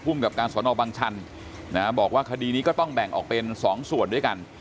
กับการสนบังชันบอกว่าคดีนี้ก็ต้องแบ่งออกเป็น๒ส่วนด้วยกัน